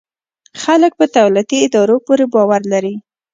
خلک په دولتي ادارو پوره باور لري.